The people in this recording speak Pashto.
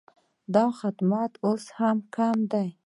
دا خدمت اوس هم کم دی